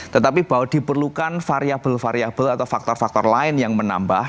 tetapi bahwa diperlukan variable variable atau faktor faktor lain yang menambah